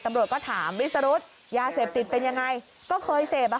ตำรวจก็ถามวิสรุธยาเสพติดเป็นยังไงก็เคยเสพอ่ะ